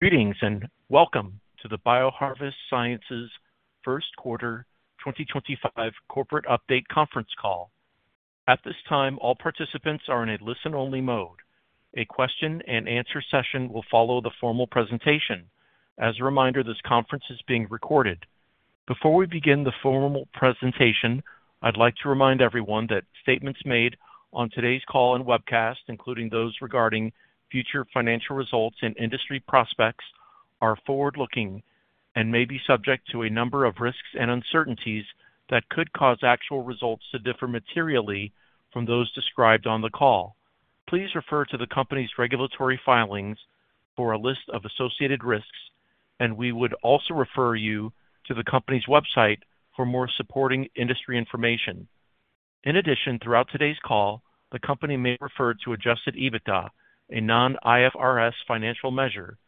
Greetings and welcome to the BioHarvest Sciences first quarter 2025 corporate update conference call. At this time, all participants are in a listen-only mode. A question-and-answer session will follow the formal presentation. As a reminder, this conference is being recorded. Before we begin the formal presentation, I'd like to remind everyone that statements made on today's call and webcast, including those regarding future financial results and industry prospects, are forward-looking and may be subject to a number of risks and uncertainties that could cause actual results to differ materially from those described on the call. Please refer to the company's regulatory filings for a list of associated risks, and we would also refer you to the company's website for more supporting industry information. In addition, throughout today's call, the company may refer to adjusted EBITDA, a non-IFRS financial measure,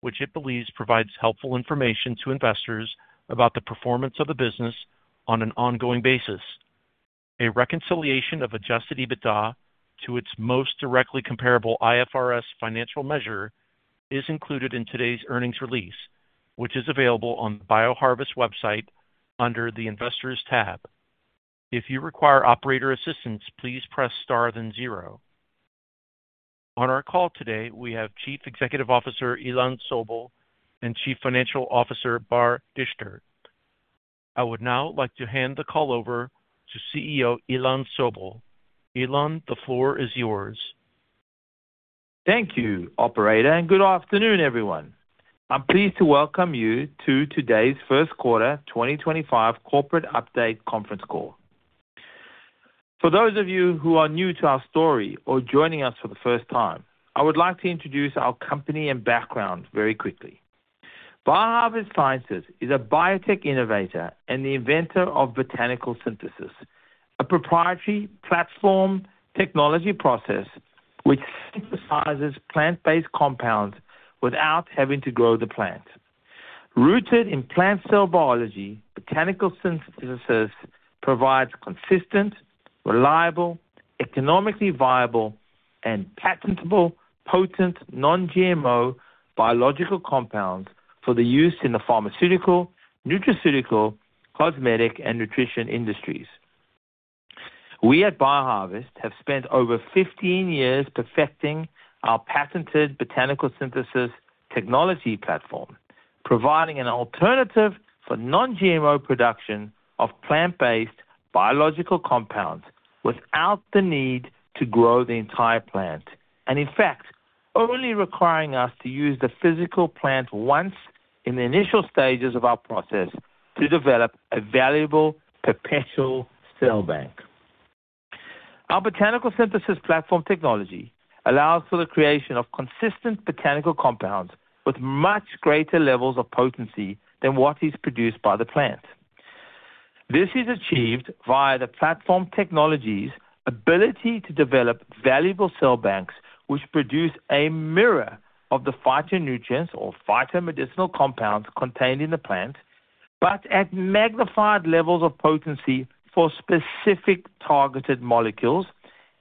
which it believes provides helpful information to investors about the performance of the business on an ongoing basis. A reconciliation of adjusted EBITDA to its most directly comparable IFRS financial measure is included in today's earnings release, which is available on the BioHarvest website under the Investors tab. If you require operator assistance, please press star then zero. On our call today, we have Chief Executive Officer Ilan Sobel and Chief Financial Officer Bar Dichter. I would now like to hand the call over to CEO Ilan Sobel. Ilan, the floor is yours. Thank you, Operator, and good afternoon, everyone. I'm pleased to welcome you to today's Q1 2025 corporate update conference call. For those of you who are new to our story or joining us for the first time, I would like to introduce our company and background very quickly. BioHarvest Sciences is a biotech innovator and the inventor of botanical synthesis, a proprietary platform technology process which synthesizes plant-based compounds without having to grow the plant. Rooted in plant cell biology, botanical synthesis provides consistent, reliable, economically viable, and patentable, potent non-GMO biological compounds for the use in the pharmaceutical, nutraceutical, cosmetic, and nutrition industries. We at BioHarvest have spent over 15 years perfecting our patented botanical synthesis technology platform, providing an alternative for non-GMO production of plant-based biological compounds without the need to grow the entire plant, and in fact, only requiring us to use the physical plant once in the initial stages of our process to develop a valuable perpetual cell bank. Our botanical synthesis platform technology allows for the creation of consistent botanical compounds with much greater levels of potency than what is produced by the plant. This is achieved via the platform technology's ability to develop valuable cell banks which produce a mirror of the phytonutrients or phyto-medicinal compounds contained in the plant, but at magnified levels of potency for specific targeted molecules,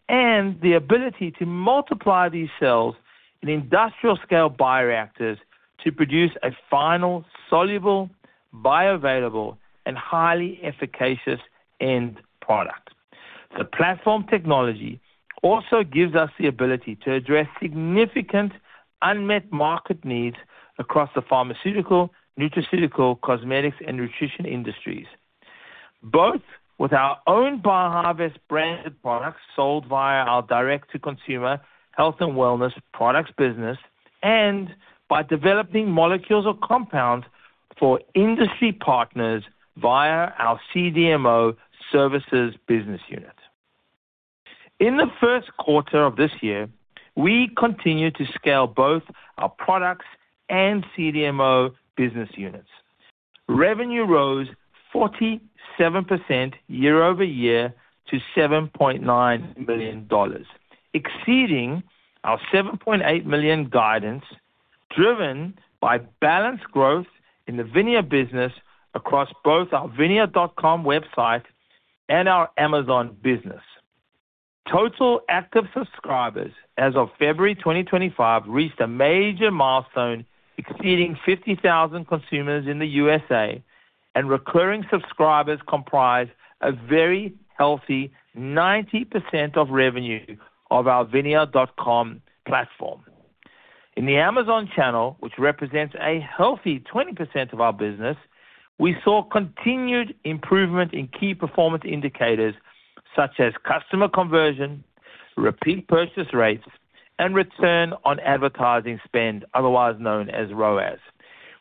and the ability to multiply these cells in industrial-scale bioreactors to produce a final soluble, bioavailable, and highly efficacious end product. The platform technology also gives us the ability to address significant unmet market needs across the pharmaceutical, nutraceutical, cosmetics, and nutrition industries, both with our own BioHarvest branded products sold via our direct-to-consumer health and wellness products business and by developing molecules or compounds for industry partners via our CDMO services business unit. In the first quarter of this year, we continue to scale both our products and CDMO business units. Revenue rose 47% year-over-year to $7.9 million, exceeding our $7.8 million guidance driven by balanced growth in the VINIA business across both our vinia.com website and our Amazon business. Total active subscribers as of February 2025 reached a major milestone exceeding 50,000 consumers in the U.S.A., and recurring subscribers comprise a very healthy 90% of revenue of our vinia.com platform. In the Amazon channel, which represents a healthy 20% of our business, we saw continued improvement in key performance indicators such as customer conversion, repeat purchase rates, and return on advertising spend, otherwise known as ROAS.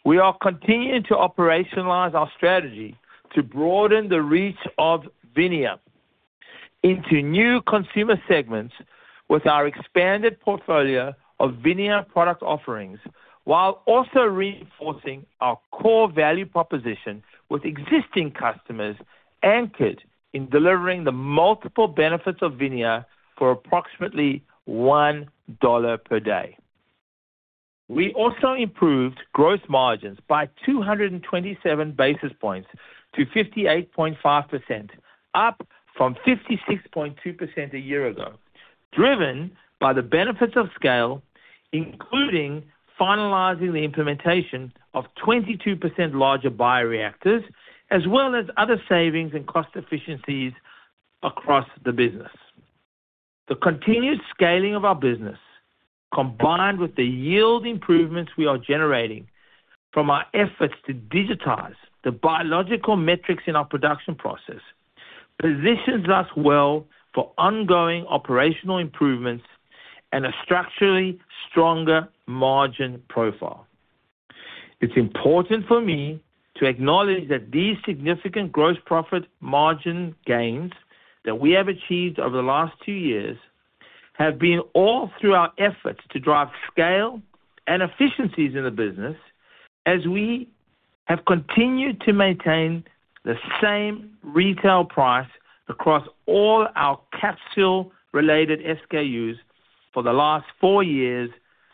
We are continuing to operationalize our strategy to broaden the reach of VINIA into new consumer segments with our expanded portfolio of VINIA product offerings, while also reinforcing our core value proposition with existing customers anchored in delivering the multiple benefits of VINIA for approximately $1 per day. We also improved gross margins by 227 basis points to 58.5%, up from 56.2% a year ago, driven by the benefits of scale, including finalizing the implementation of 22% larger bioreactors, as well as other savings and cost efficiencies across the business. The continued scaling of our business, combined with the yield improvements we are generating from our efforts to digitize the biological metrics in our production process, positions us well for ongoing operational improvements and a structurally stronger margin profile. It's important for me to acknowledge that these significant gross profit margin gains that we have achieved over the last two years have been all through our efforts to drive scale and efficiencies in the business, as we have continued to maintain the same retail price across all our capsule-related SKUs for the last four years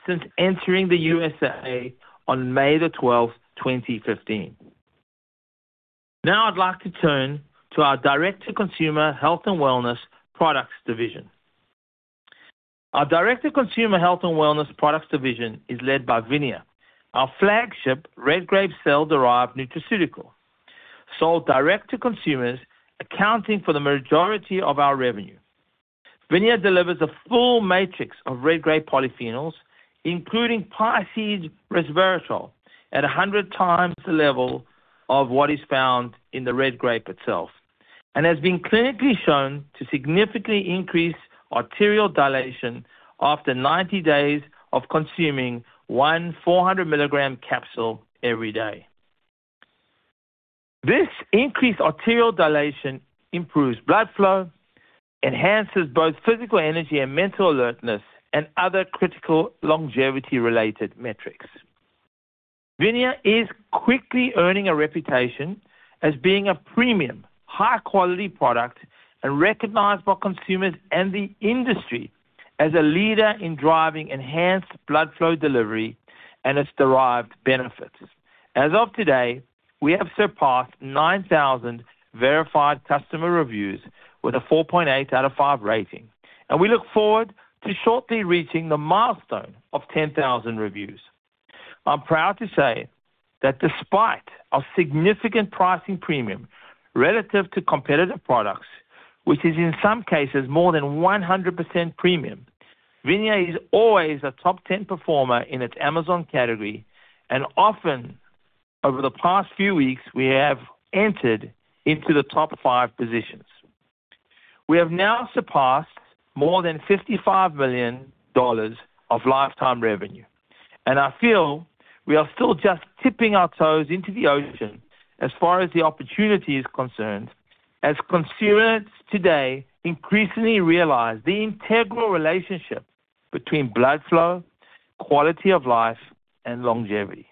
since entering the U.S.A. on May 12, 2015. Now I'd like to turn to our direct-to-consumer health and wellness products division. Our direct-to-consumer health and wellness products division is led by VINIA, our flagship red grape cell-derived nutraceutical, sold direct to consumers, accounting for the majority of our revenue. VINIA delivers a full matrix of red grape polyphenols, including piceid resveratrol, at 100x the level of what is found in the red grape itself, and has been clinically shown to significantly increase arterial dilation after 90 days of consuming one 400 mg capsule every day. This increased arterial dilation improves blood flow, enhances both physical energy and mental alertness, and other critical longevity-related metrics. VINIA is quickly earning a reputation as being a premium, high-quality product and recognized by consumers and the industry as a leader in driving enhanced blood flow delivery and its derived benefits. As of today, we have surpassed 9,000 verified customer reviews with a 4.8 out of 5 rating, and we look forward to shortly reaching the milestone of 10,000 reviews. I'm proud to say that despite our significant pricing premium relative to competitive products, which is in some cases more than 100% premium, VINIA is always a top 10 performer in its Amazon category, and often over the past few weeks, we have entered into the top five positions. We have now surpassed more than $55 million of lifetime revenue, and I feel we are still just tipping our toes into the ocean as far as the opportunity is concerned, as consumers today increasingly realize the integral relationship between blood flow, quality of life, and longevity.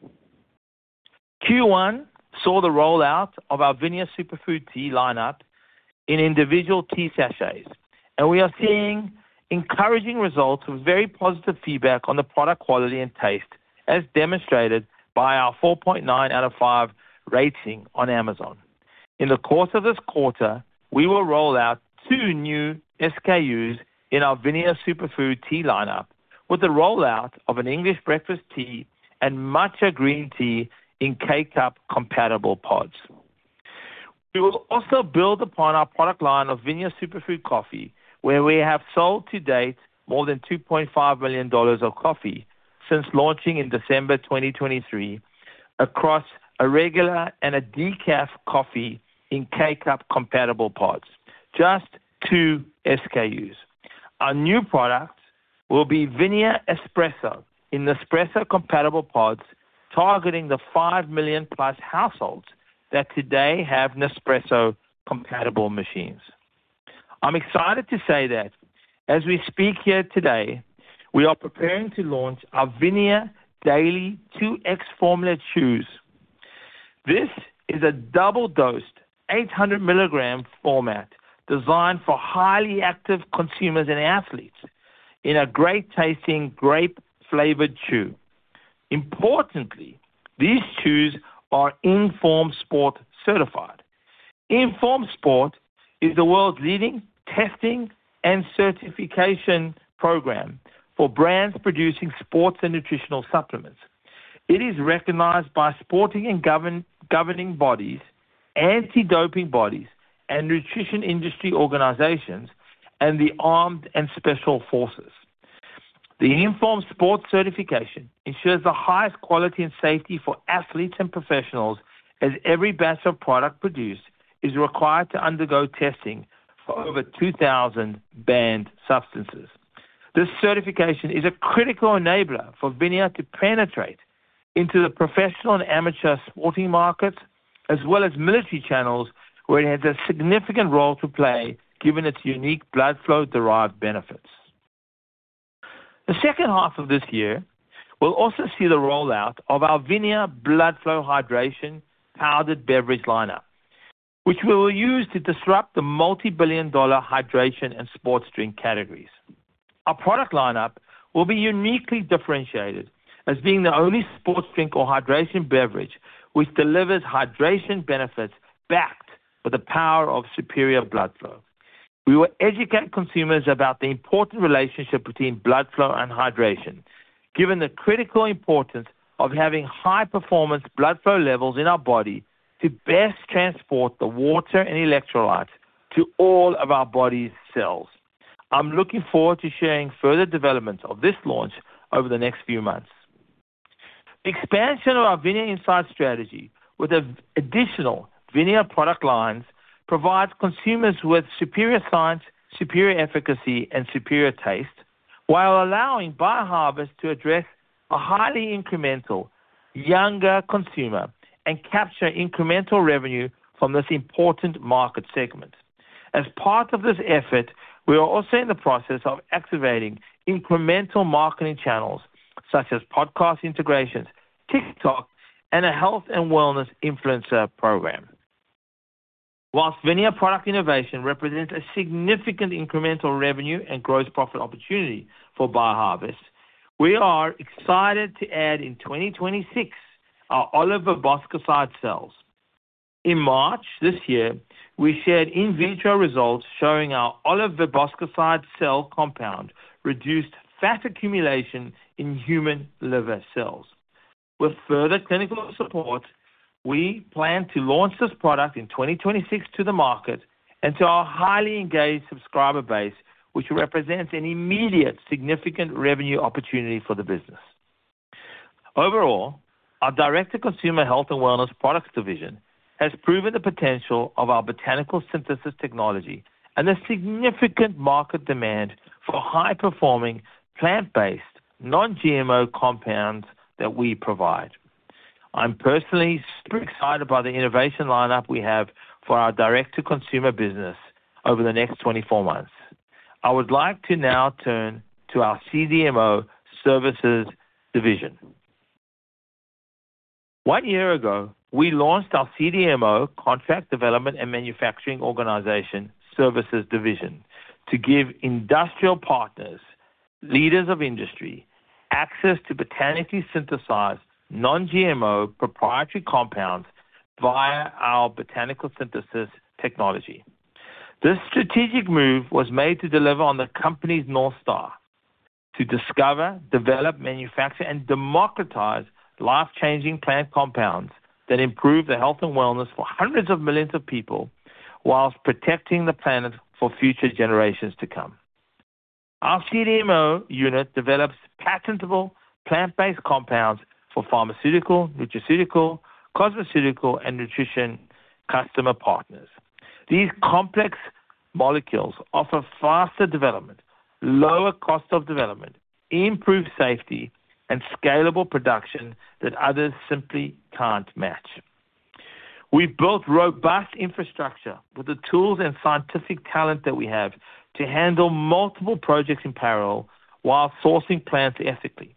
Q1 saw the rollout of our VINIA Superfood Tea lineup in individual tea sachets, and we are seeing encouraging results with very positive feedback on the product quality and taste, as demonstrated by our 4.9 out of 5 rating on Amazon. In the course of this quarter, we will roll out two new SKUs in our VINIA Superfood Tea lineup, with the rollout of an English breakfast tea and matcha green tea in K-Cup compatible pods. We will also build upon our product line of VINIA Superfood Coffee, where we have sold to date more than $2.5 million of coffee since launching in December 2023, across a regular and a decaf coffee in K-Cup compatible pods, just two SKUs. Our new product will be VINIA Superfood espresso coffee in Nespresso compatible pods, targeting the 5 million+ households that today have Nespresso compatible machines. I'm excited to say that as we speak here today, we are preparing to launch our VINIA Daily 2X Formula Chews. This is a double-dosed, 800 mg format designed for highly active consumers and athletes in a great-tasting grape-flavored chew. Importantly, these chews are InForm Sport certified. InForm Sport is the world's leading testing and certification program for brands producing sports and nutritional supplements. It is recognized by sporting and governing bodies, anti-doping bodies, and nutrition industry organizations, and the armed and special forces. The InForm Sport certification ensures the highest quality and safety for athletes and professionals, as every batch of product produced is required to undergo testing for over 2,000 banned substances. This certification is a critical enabler for VINIA to penetrate into the professional and amateur sporting markets, as well as military channels, where it has a significant role to play given its unique blood flow-derived benefits. The second half of this year will also see the rollout of our VINIA BloodFlow Hydration powdered beverage lineup, which we will use to disrupt the multi-billion dollar hydration and sports drink categories. Our product lineup will be uniquely differentiated as being the only sports drink or hydration beverage which delivers hydration benefits backed by the power of superior blood flow. We will educate consumers about the important relationship between blood flow and hydration, given the critical importance of having high-performance blood flow levels in our body to best transport the water and electrolytes to all of our body's cells. I'm looking forward to sharing further developments of this launch over the next few months. Expansion of our VINIA Insight strategy with additional VINIA product lines provides consumers with superior science, superior efficacy, and superior taste, while allowing BioHarvest to address a highly incremental younger consumer and capture incremental revenue from this important market segment. As part of this effort, we are also in the process of activating incremental marketing channels such as podcast integrations, TikTok, and a health and wellness influencer program. Whilst VINIA product innovation represents a significant incremental revenue and gross profit opportunity for BioHarvest, we are excited to add in 2026 our olive-verbasco side cells. In March this year, we shared in vitro results showing our olive-verbasco side cell compound reduced fat accumulation in human liver cells. With further clinical support, we plan to launch this product in 2026 to the market and to our highly engaged subscriber base, which represents an immediate significant revenue opportunity for the business. Overall, our direct-to-consumer health and wellness products division has proven the potential of our botanical synthesis technology and the significant market demand for high-performing plant-based non-GMO compounds that we provide. I'm personally super excited by the innovation lineup we have for our direct-to-consumer business over the next 24 months. I would like to now turn to our CDMO services division. One year ago, we launched our CDMO contract development and manufacturing organization services division to give industrial partners, leaders of industry, access to botanically synthesized non-GMO proprietary compounds via our botanical synthesis technology. This strategic move was made to deliver on the company's North Star to discover, develop, manufacture, and democratize life-changing plant compounds that improve the health and wellness for hundreds of millions of people whilst protecting the planet for future generations to come. Our CDMO unit develops patentable plant-based compounds for pharmaceutical, nutraceutical, cosmeceutical, and nutrition customer partners. These complex molecules offer faster development, lower cost of development, improved safety, and scalable production that others simply can't match. We've built robust infrastructure with the tools and scientific talent that we have to handle multiple projects in parallel while sourcing plants ethically.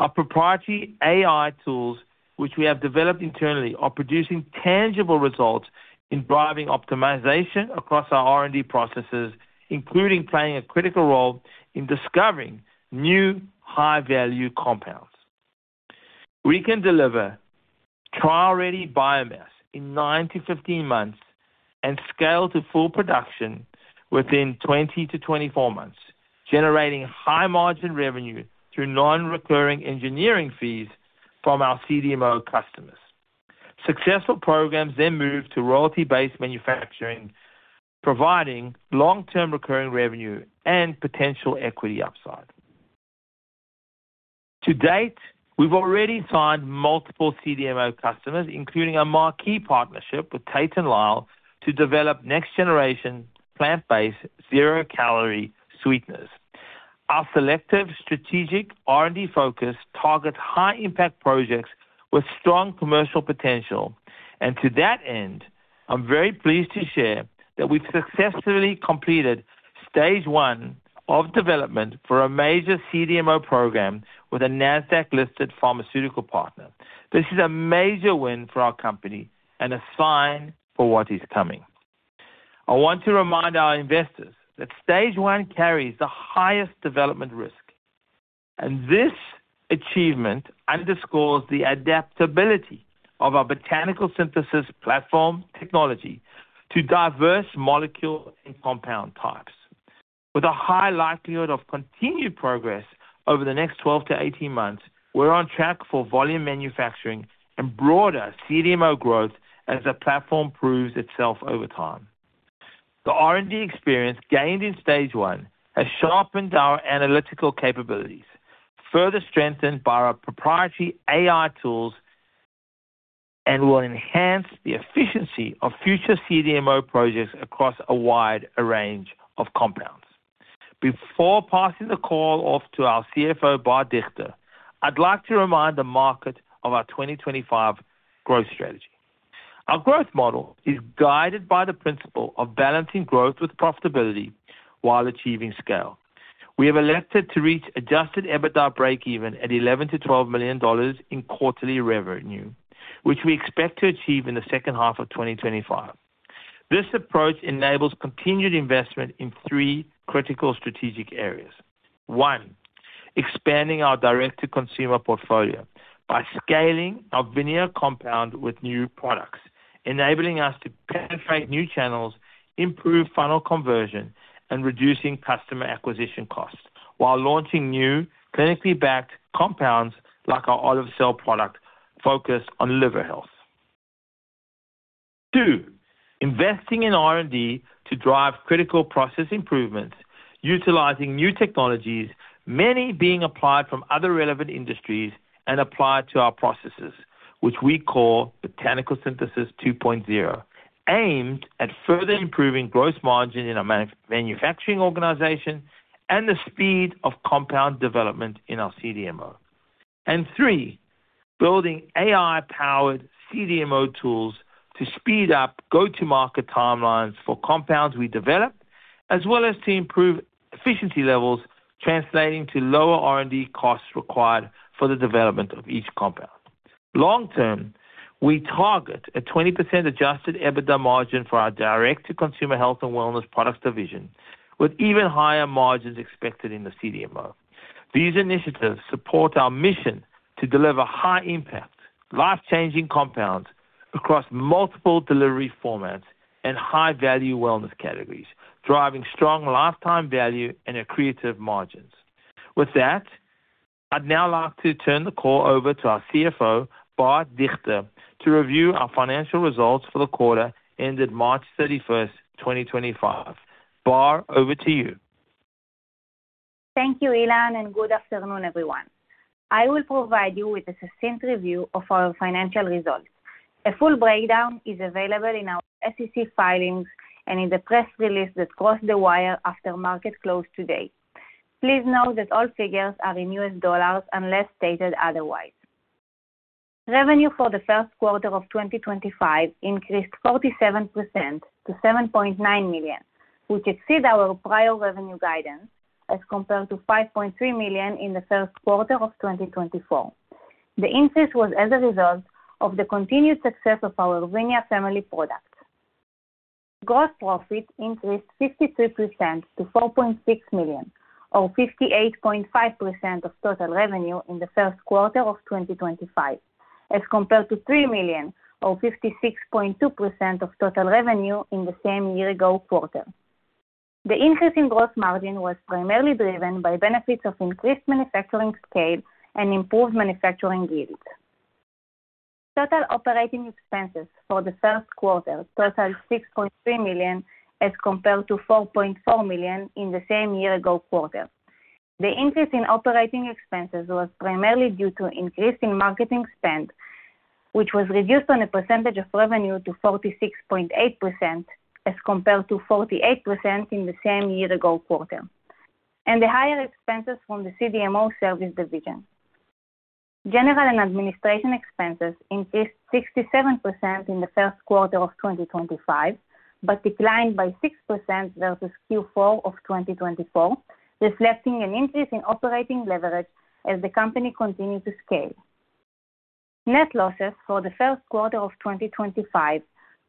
Our proprietary AI tools, which we have developed internally, are producing tangible results in driving optimization across our R&D processes, including playing a critical role in discovering new high-value compounds. We can deliver trial-ready biomass in 9-15 months and scale to full production within 20-24 months, generating high-margin revenue through non-recurring engineering fees from our CDMO customers. Successful programs then move to royalty-based manufacturing, providing long-term recurring revenue and potential equity upside. To date, we've already signed multiple CDMO customers, including a marquee partnership with Tate & Lyle to develop next-generation plant-based zero-calorie sweeteners. Our selective strategic R&D focus targets high-impact projects with strong commercial potential, and to that end, I'm very pleased to share that we've successfully completed stage one of development for a major CDMO program with a NASDAQ-listed pharmaceutical partner. This is a major win for our company and a sign for what is coming. I want to remind our investors that stage one carries the highest development risk, and this achievement underscores the adaptability of our botanical synthesis platform technology to diverse molecule and compound types. With a high likelihood of continued progress over the next 12-18 months, we're on track for volume manufacturing and broader CDMO growth as the platform proves itself over time. The R&D experience gained in stage one has sharpened our analytical capabilities, further strengthened by our proprietary AI tools, and will enhance the efficiency of future CDMO projects across a wide range of compounds. Before passing the call off to our CFO, Bar Dichter, I'd like to remind the market of our 2025 growth strategy. Our growth model is guided by the principle of balancing growth with profitability while achieving scale. We have elected to reach adjusted EBITDA break-even at $11 million-$12 million in quarterly revenue, which we expect to achieve in the second half of 2025. This approach enables continued investment in three critical strategic areas. One, expanding our direct-to-consumer portfolio by scaling our Vineyard compound with new products, enabling us to penetrate new channels, improve funnel conversion, and reduce customer acquisition costs while launching new clinically backed compounds like our olive cell product focused on liver health. Two, investing in R&D to drive critical process improvements, utilizing new technologies, many being applied from other relevant industries and applied to our processes, which we call Botanical Synthesis 2.0, aimed at further improving gross margin in our manufacturing organization and the speed of compound development in our CDMO. Three, building AI-powered CDMO tools to speed up go-to-market timelines for compounds we develop, as well as to improve efficiency levels, translating to lower R&D costs required for the development of each compound. Long term, we target a 20% adjusted EBITDA margin for our direct-to-consumer health and wellness products division, with even higher margins expected in the CDMO. These initiatives support our mission to deliver high-impact, life-changing compounds across multiple delivery formats and high-value wellness categories, driving strong lifetime value and accretive margins. With that, I'd now like to turn the call over to our CFO, Bar Dichter, to review our financial results for the quarter ended March 31, 2025. Bar, over to you. Thank you, Ilan, and good afternoon, everyone. I will provide you with a succinct review of our financial results. A full breakdown is available in our SEC filings and in the press release that crossed the wire after market close today. Please note that all figures are in U.S. dollars unless stated otherwise. Revenue for the first quarter of 2025 increased 47% to $7.9 million, which exceeds our prior revenue guidance as compared to $5.3 million in the first quarter of 2024. The increase was as a result of the continued success of our VINIA family products. Gross profit increased 53% to $4.6 million, or 58.5% of total revenue in the first quarter of 2025, as compared to $3 million, or 56.2% of total revenue in the same year-ago quarter. The increase in gross margin was primarily driven by benefits of increased manufacturing scale and improved manufacturing yields. Total operating expenses for the first quarter totaled $6.3 million as compared to $4.4 million in the same year-ago quarter. The increase in operating expenses was primarily due to an increase in marketing spend, which was reduced on a percentage of revenue to 46.8% as compared to 48% in the same year-ago quarter, and the higher expenses from the CDMO service division. General and administration expenses increased 67% in the first quarter of 2025 but declined by 6% versus Q4 of 2024, reflecting an increase in operating leverage as the company continued to scale. Net losses for the first quarter of 2025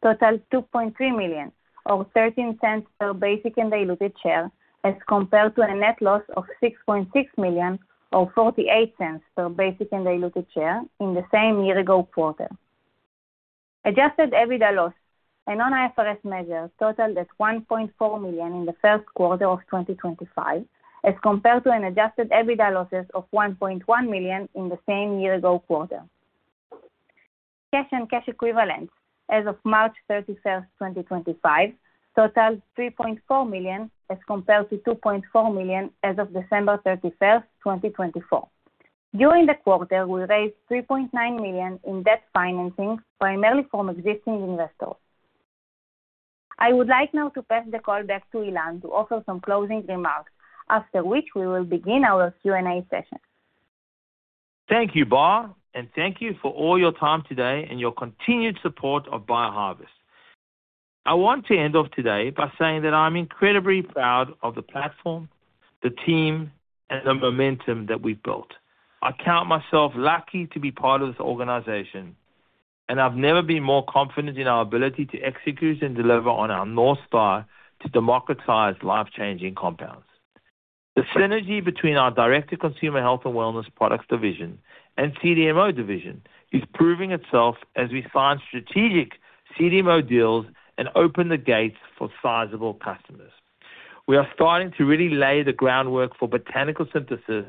totaled $2.3 million, or $0.13 per basic and diluted share, as compared to a net loss of $6.6 million, or $0.48 per basic and diluted share in the same year-ago quarter. Adjusted EBITDA loss, a non-IFRS measure, totaled $1.4 million in the first quarter of 2025 as compared to an adjusted EBITDA loss of $1.1 million in the same year-ago quarter. Cash and cash equivalents as of March 31, 2025, totaled $3.4 million as compared to $2.4 million as of December 31, 2024. During the quarter, we raised $3.9 million in debt financing, primarily from existing investors. I would like now to pass the call back to Ilan to offer some closing remarks, after which we will begin our Q&A session. Thank you, Bar, and thank you for all your time today and your continued support of BioHarvest. I want to end off today by saying that I'm incredibly proud of the platform, the team, and the momentum that we've built. I count myself lucky to be part of this organization, and I've never been more confident in our ability to execute and deliver on our North Star to democratize life-changing compounds. The synergy between our direct-to-consumer health and wellness products division and CDMO division is proving itself as we sign strategic CDMO deals and open the gates for sizable customers. We are starting to really lay the groundwork for botanical synthesis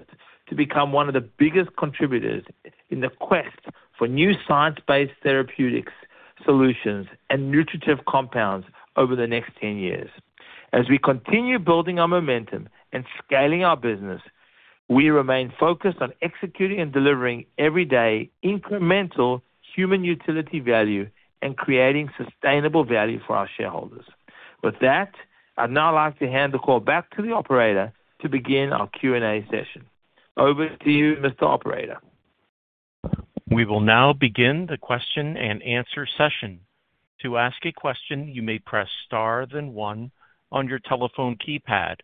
to become one of the biggest contributors in the quest for new science-based therapeutic solutions and nutritive compounds over the next 10 years. As we continue building our momentum and scaling our business, we remain focused on executing and delivering everyday incremental human utility value and creating sustainable value for our shareholders. With that, I'd now like to hand the call back to the operator to begin our Q&A session. Over to you, Mr. Operator. We will now begin the question-and-answer session. To ask a question, you may press star then one on your telephone keypad.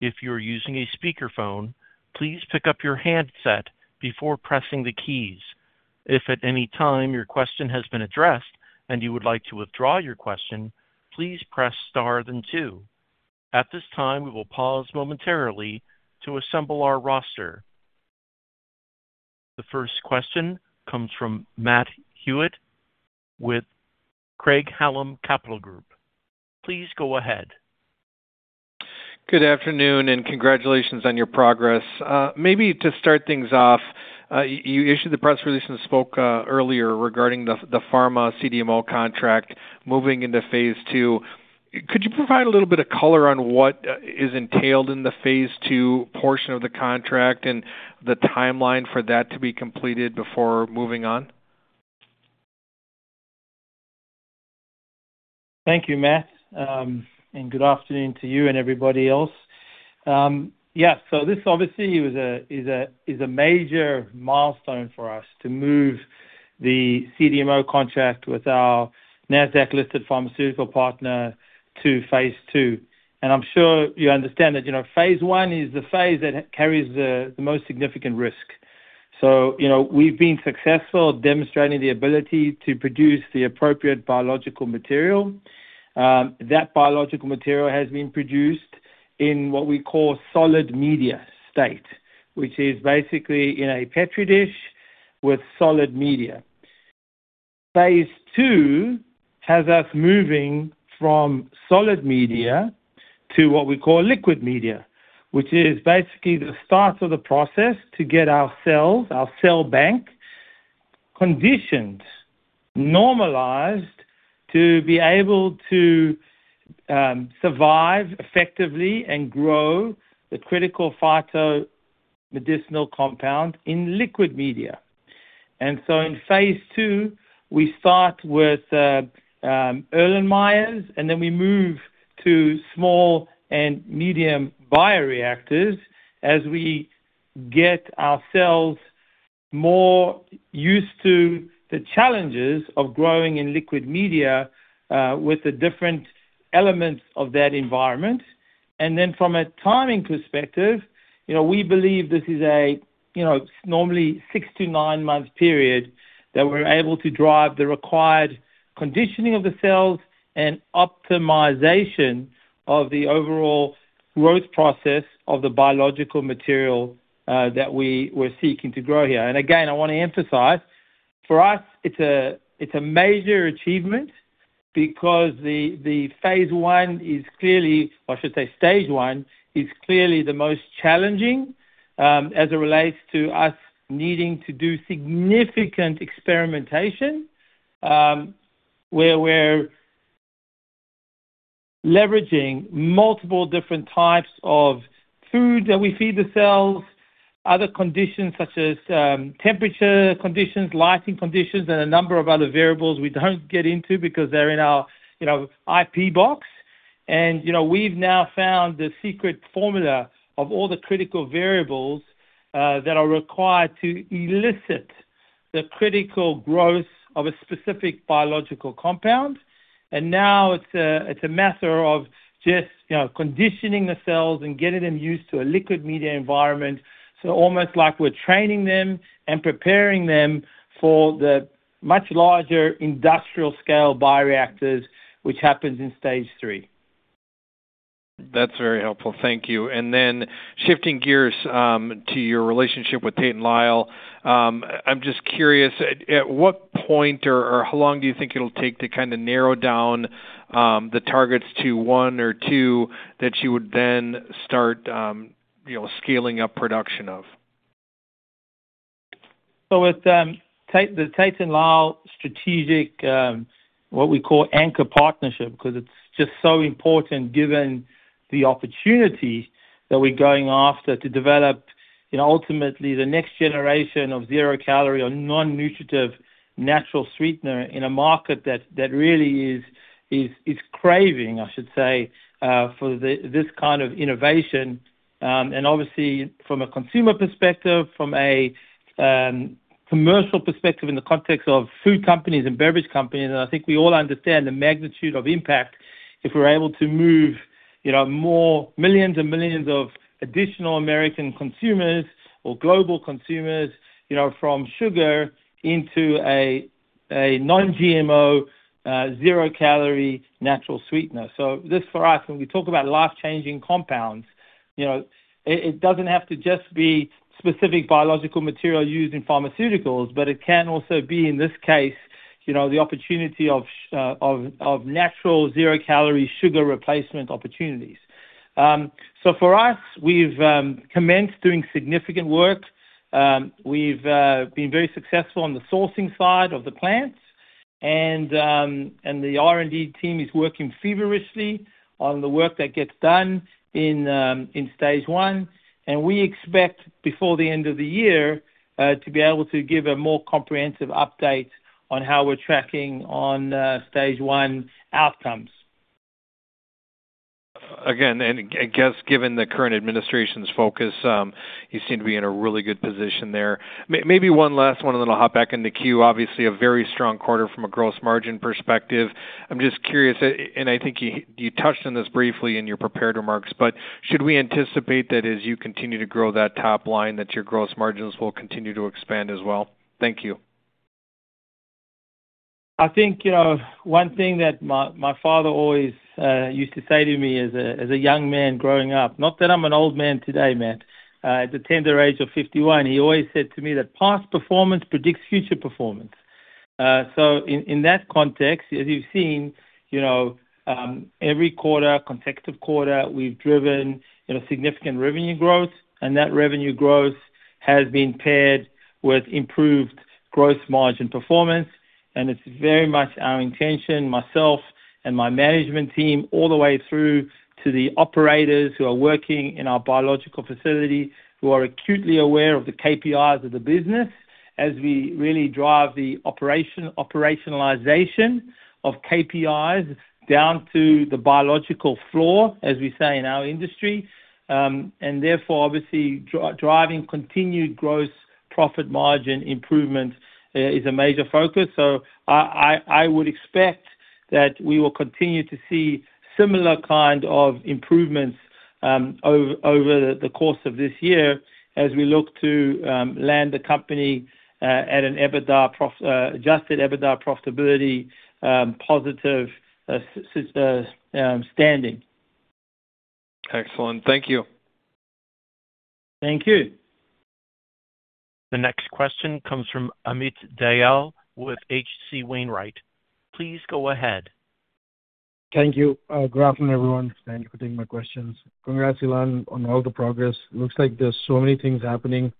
If you are using a speakerphone, please pick up your handset before pressing the keys. If at any time your question has been addressed and you would like to withdraw your question, please press star then two. At this time, we will pause momentarily to assemble our roster. The first question comes from Matt Hewitt with Craig-Hallum Capital Group. Please go ahead. Good afternoon and congratulations on your progress. Maybe to start things off, you issued the press release and spoke earlier regarding the pharma CDMO contract moving into phase II. Could you provide a little bit of color on what is entailed in the phase II portion of the contract and the timeline for that to be completed before moving on? Thank you, Matt, and good afternoon to you and everybody else. Yeah, so this obviously is a major milestone for us to move the CDMO contract with our NASDAQ-listed pharmaceutical partner to phase II. I'm sure you understand that phase I is the phase that carries the most significant risk. We've been successful demonstrating the ability to produce the appropriate biological material. That biological material has been produced in what we call solid media state, which is basically in a Petri dish with solid media. Phase II has us moving from solid media to what we call liquid media, which is basically the start of the process to get our cells, our cell bank, conditioned, normalized to be able to survive effectively and grow the critical phyto-medicinal compound in liquid media. In phase II, we start with Erlenmeyers, and then we move to small and medium bioreactors as we get our cells more used to the challenges of growing in liquid media with the different elements of that environment. From a timing perspective, we believe this is a normally six to nine-month period that we're able to drive the required conditioning of the cells and optimization of the overall growth process of the biological material that we were seeking to grow here. Again, I want to emphasize, for us, it's a major achievement because stage one is clearly the most challenging as it relates to us needing to do significant experimentation where we're leveraging multiple different types of food that we feed the cells, other conditions such as temperature conditions, lighting conditions, and a number of other variables we don't get into because they're in our IP box. We've now found the secret formula of all the critical variables that are required to elicit the critical growth of a specific biological compound. Now it's a matter of just conditioning the cells and getting them used to a liquid media environment, so almost like we're training them and preparing them for the much larger industrial-scale bioreactors, which happens in stage three. That's very helpful. Thank you. Then shifting gears to your relationship with Tate & Lyle, I'm just curious, at what point or how long do you think it'll take to kind of narrow down the targets to one or two that you would then start scaling up production of? With the Tate & Lyle strategic, what we call anchor partnership, because it's just so important given the opportunity that we're going after to develop ultimately the next generation of zero-calorie or non-nutritive natural sweetener in a market that really is craving, I should say, for this kind of innovation. Obviously, from a consumer perspective, from a commercial perspective in the context of food companies and beverage companies, I think we all understand the magnitude of impact if we're able to move millions and millions of additional American consumers or global consumers from sugar into a non-GMO, zero-calorie natural sweetener. This for us, when we talk about life-changing compounds, it does not have to just be specific biological material used in pharmaceuticals, but it can also be, in this case, the opportunity of natural zero-calorie sugar replacement opportunities. For us, we have commenced doing significant work. We have been very successful on the sourcing side of the plants, and the R&D team is working feverishly on the work that gets done in stage one. We expect before the end of the year to be able to give a more comprehensive update on how we are tracking on stage one outcomes. Again, I guess given the current administration's focus, you seem to be in a really good position there. Maybe one last one, and then I will hop back into queue. Obviously, a very strong quarter from a gross margin perspective. I'm just curious, and I think you touched on this briefly in your prepared remarks, but should we anticipate that as you continue to grow that top line that your gross margins will continue to expand as well? Thank you. I think one thing that my father always used to say to me as a young man growing up, not that I'm an old man today, man, at the tender age of 51, he always said to me that past performance predicts future performance. In that context, as you've seen, every quarter, consecutive quarter, we've driven significant revenue growth, and that revenue growth has been paired with improved gross margin performance. It is very much our intention, myself and my management team, all the way through to the operators who are working in our biological facility, who are acutely aware of the KPIs of the business as we really drive the operationalization of KPIs down to the biological floor, as we say in our industry. Therefore, obviously, driving continued gross profit margin improvement is a major focus. I would expect that we will continue to see similar kind of improvements over the course of this year as we look to land the company at an adjusted EBITDA profitability positive standing. Excellent. Thank you. Thank you. The next question comes from Amit Dayal with H.C. Wainwright. Please go ahead. Thank you. Good afternoon, everyone. Thank you for taking my questions. Congrats, Ilan, on all the progress. Looks like there are so many things happening.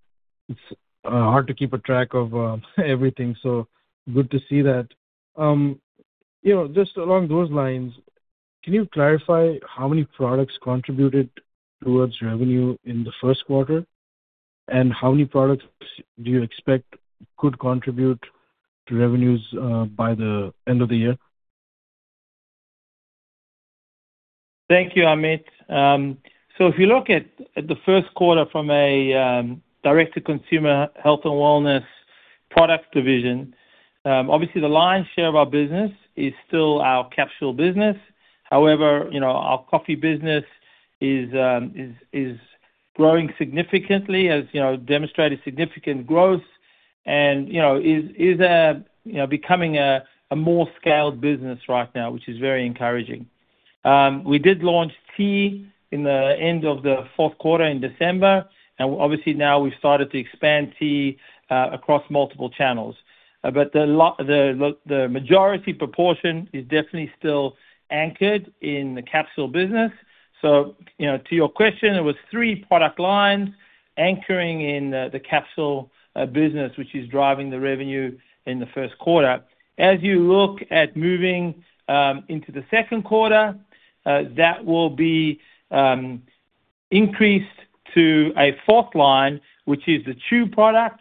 It's hard to keep track of everything, so good to see that. Just along those lines, can you clarify how many products contributed towards revenue in the first quarter, and how many products do you expect could contribute to revenues by the end of the year? Thank you, Amit. If you look at the first quarter from a direct-to-consumer health and wellness product division, obviously, the lion's share of our business is still our capsule business. However, our coffee business is growing significantly, has demonstrated significant growth, and is becoming a more scaled business right now, which is very encouraging. We did launch tea in the end of the fourth quarter in December, and obviously, now we've started to expand tea across multiple channels. The majority proportion is definitely still anchored in the capsule business. To your question, there were three product lines anchoring in the capsule business, which is driving the revenue in the first quarter. As you look at moving into the second quarter, that will be increased to a fourth line, which is the chew product,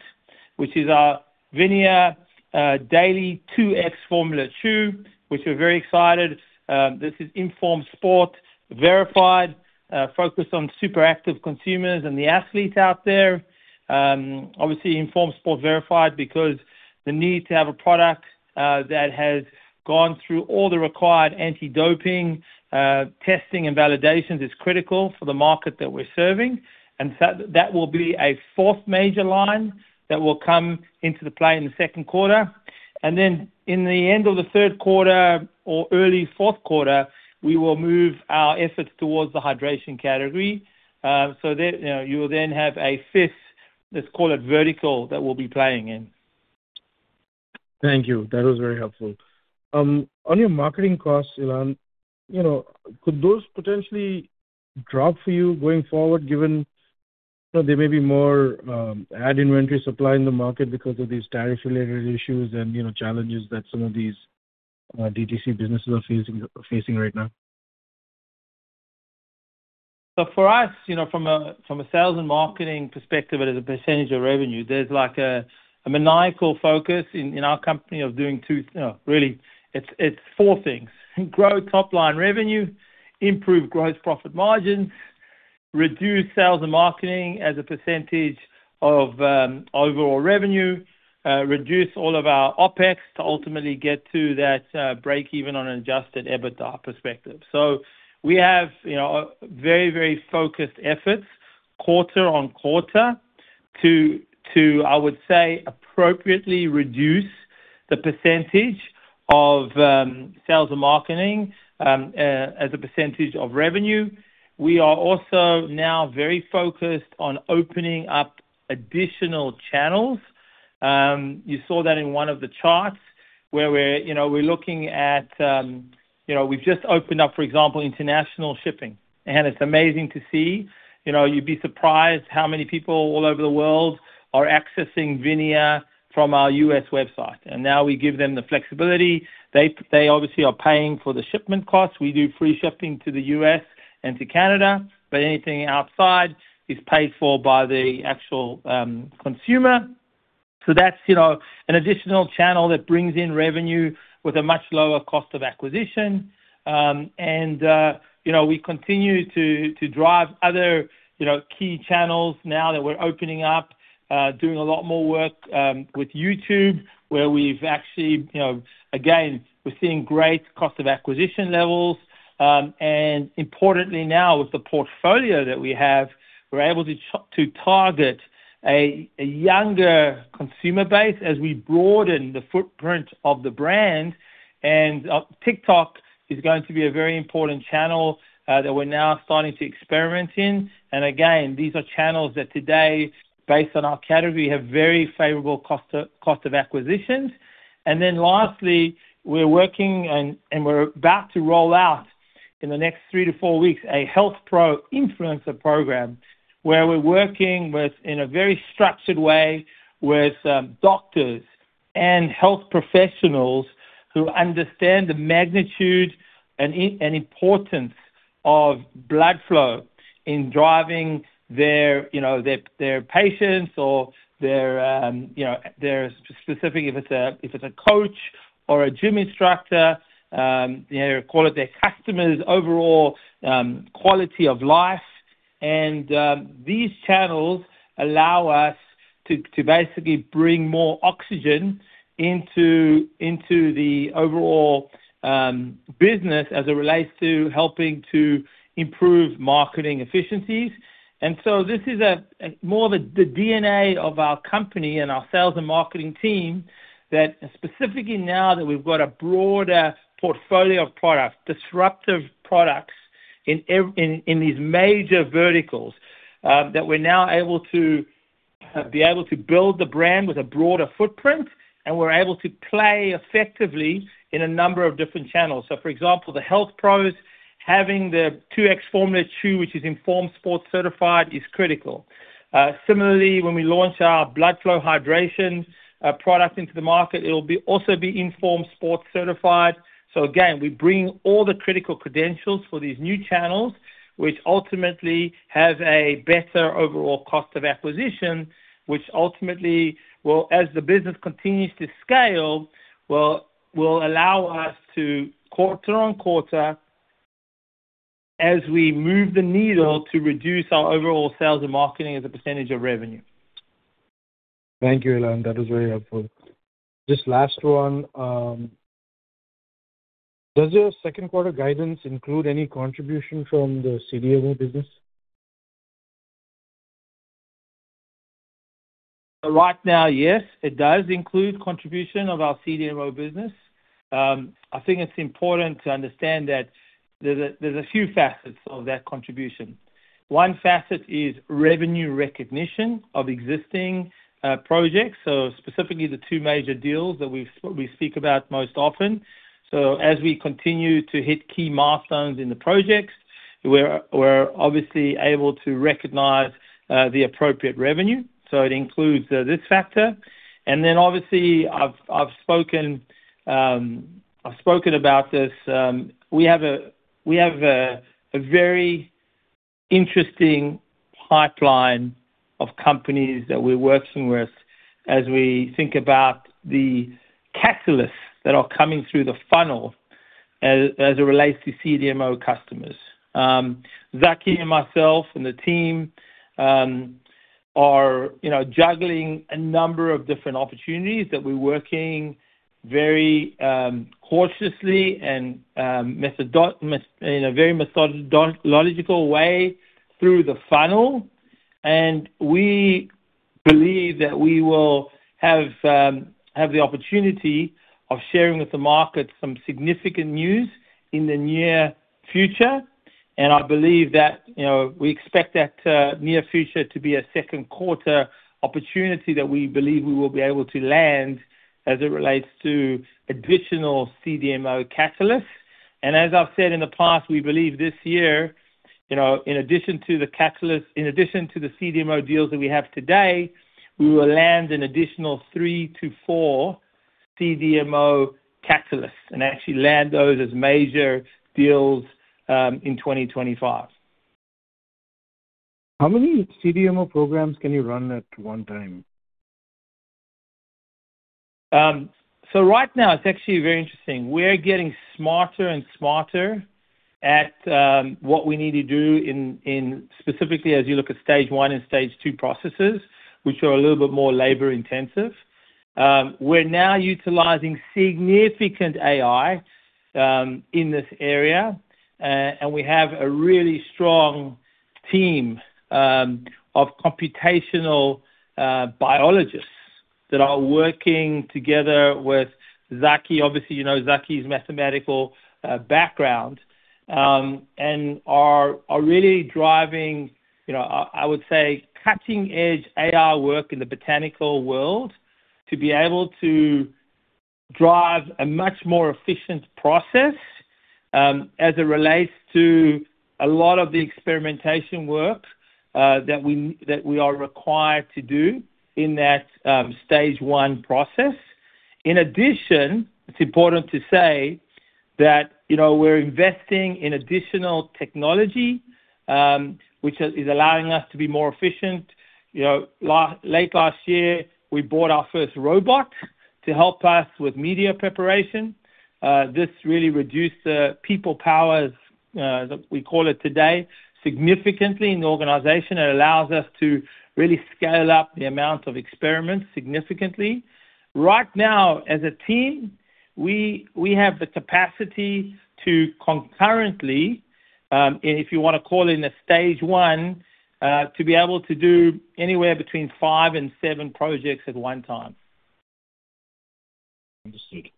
which is our VINIA Daily 2X Formula Chew, which we're very excited. This is InForm Sport verified, focused on super active consumers and the athletes out there. Obviously, InForm Sport verified because the need to have a product that has gone through all the required anti-doping testing and validations is critical for the market that we're serving. That will be a fourth major line that will come into play in the second quarter. In the end of the third quarter or early fourth quarter, we will move our efforts towards the hydration category. You will then have a fifth, let's call it vertical, that we'll be playing in. Thank you. That was very helpful. On your marketing costs, Ilan, could those potentially drop for you going forward, given there may be more ad inventory supply in the market because of these tariff-related issues and challenges that some of these DTC businesses are facing right now? For us, from a sales and marketing perspective as a percentage of revenue, there's a maniacal focus in our company of doing two really, it's four things: grow top-line revenue, improve gross profit margins, reduce sales and marketing as a percentage of overall revenue, reduce all of our OPEX to ultimately get to that break-even on an adjusted EBITDA perspective. We have very, very focused efforts quarter-on-quarter to, I would say, appropriately reduce the percentage of sales and marketing as a percentage of revenue. We are also now very focused on opening up additional channels. You saw that in one of the charts where we're looking at we've just opened up, for example, international shipping. It's amazing to see. You'd be surprised how many people all over the world are accessing VINIA from our U.S. website. Now we give them the flexibility. They obviously are paying for the shipment costs. We do free shipping to the U.S. and to Canada, but anything outside is paid for by the actual consumer. That's an additional channel that brings in revenue with a much lower cost of acquisition. We continue to drive other key channels now that we're opening up, doing a lot more work with YouTube, where we've actually, again, we're seeing great cost of acquisition levels. Importantly now, with the portfolio that we have, we're able to target a younger consumer base as we broaden the footprint of the brand. TikTok is going to be a very important channel that we're now starting to experiment in. Again, these are channels that today, based on our category, have very favorable cost of acquisitions. Lastly, we're working and we're about to roll out in the next three to four weeks a health pro influencer program where we're working in a very structured way with doctors and health professionals who understand the magnitude and importance of blood flow in driving their patients or their specific, if it's a coach or a gym instructor, call it their customers' overall quality of life. These channels allow us to basically bring more oxygen into the overall business as it relates to helping to improve marketing efficiencies. This is more the DNA of our company and our sales and marketing team that specifically now that we've got a broader portfolio of products, disruptive products in these major verticals, that we're now able to be able to build the brand with a broader footprint, and we're able to play effectively in a number of different channels. For example, the health pros having the 2X Formula Chew, which is InForm Sport certified, is critical. Similarly, when we launch our blood flow hydration product into the market, it will also be InForm Sport certified. Again, we bring all the critical credentials for these new channels, which ultimately have a better overall cost of acquisition, which ultimately, as the business continues to scale, will allow us to quarter-on-quarter as we move the needle to reduce our overall sales and marketing as a percentage of revenue. Thank you, Ilan. That was very helpful. Just last one. Does your second quarter guidance include any contribution from the CDMO business? Right now, yes, it does include contribution of our CDMO business. I think it's important to understand that there's a few facets of that contribution. One facet is revenue recognition of existing projects, so specifically the two major deals that we speak about most often. As we continue to hit key milestones in the projects, we're obviously able to recognize the appropriate revenue. It includes this factor. Obviously, I've spoken about this. We have a very interesting pipeline of companies that we're working with as we think about the catalysts that are coming through the funnel as it relates to CDMO customers. Zaki and myself and the team are juggling a number of different opportunities that we're working very cautiously and in a very methodological way through the funnel. We believe that we will have the opportunity of sharing with the market some significant news in the near future. I believe that we expect that near future to be a second quarter opportunity that we believe we will be able to land as it relates to additional CDMO catalysts. As I've said in the past, we believe this year, in addition to the catalyst, in addition to the CDMO deals that we have today, we will land an additional 3-4 CDMO catalysts and actually land those as major deals in 2025. How many CDMO programs can you run at one time? Right now, it's actually very interesting. We're getting smarter and smarter at what we need to do in specifically as you look at stage one and stage two processes, which are a little bit more labor-intensive. We're now utilizing significant AI in this area, and we have a really strong team of computational biologists that are working together with Zaki. Obviously, you know Zaki's mathematical background and are really driving, I would say, cutting-edge AI work in the botanical world to be able to drive a much more efficient process as it relates to a lot of the experimentation work that we are required to do in that stage one process. In addition, it's important to say that we're investing in additional technology, which is allowing us to be more efficient. Late last year, we bought our first robot to help us with media preparation. This really reduced the people powers, as we call it today, significantly in the organization. It allows us to really scale up the amount of experiments significantly. Right now, as a team, we have the capacity to concurrently, if you want to call it in a stage one, to be able to do anywhere between five and seven projects at one time. Understood.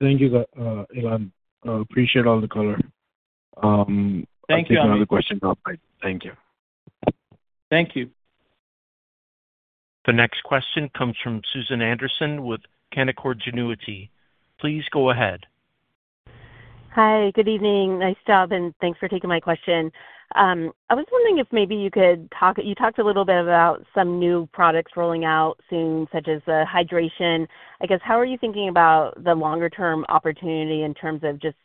Thank you, Ilan. Appreciate all the color. Thank you. If there's any other questions, I'll invite. Thank you. Thank you. The next question comes from Susan Anderson with Canaccord Genuity. Please go ahead. Hi, good evening. Nice to have you, and thanks for taking my question. I was wondering if maybe you could talk, you talked a little bit about some new products rolling out soon, such as the hydration. I guess, how are you thinking about the longer-term opportunity in terms of just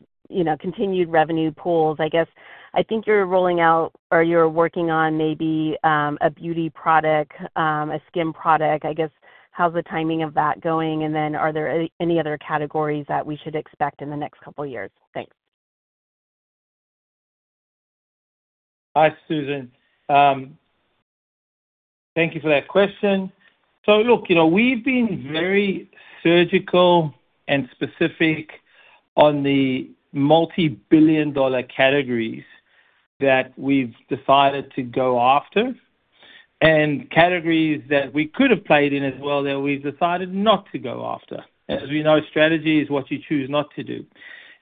continued revenue pools? I guess I think you're rolling out or you're working on maybe a beauty product, a skin product. I guess, how's the timing of that going? And then are there any other categories that we should expect in the next couple of years? Thanks. Hi, Susan. Thank you for that question. Look, we've been very surgical and specific on the multi-billion dollar categories that we've decided to go after and categories that we could have played in as well that we've decided not to go after. As we know, strategy is what you choose not to do.